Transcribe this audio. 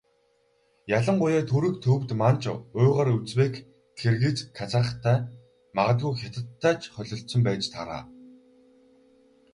Ялангуяа Түрэг, Төвөд, Манж, Уйгар, Узбек, Киргиз, Казахтай магадгүй Хятадтай ч холилдсон байж таараа.